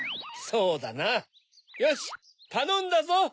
そうだなよしたのんだぞ！